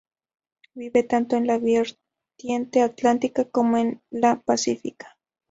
Vive tanto en la vertiente atlántica como en la pacífica.